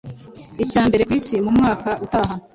icya mbere ku isi mu mwaka utaha